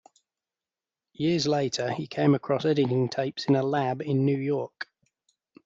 Years later, he came across editing tapes in a lab in New York.